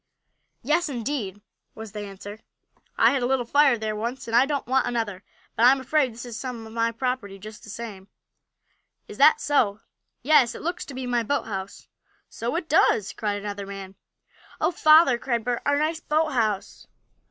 "Yes, indeed," was the answer. "I had a little fire there once, and I don't want another. But I'm afraid this is some of my property just the same." "Is that so?" "Yes, it looks to be my boathouse." "So it does!" cried another man. "Oh, father!" cried Bert. "Our nice boathouse!"